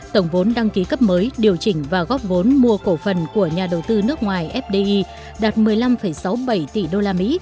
tổng vốn đăng ký cấp mới điều chỉnh và góp vốn mua cổ phần của nhà đầu tư nước ngoài fdi đạt một mươi năm sáu mươi bảy tỷ usd